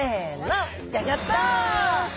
ギョギョッと！